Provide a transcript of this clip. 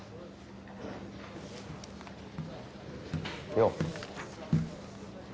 よう。